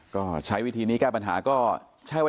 ก็ใช้วิธีนี้แก้ปัญหาก็ใช่ว่า